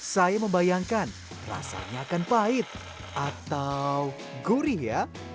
saya membayangkan rasanya akan pahit atau gurih ya